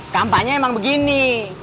kampanye emang begini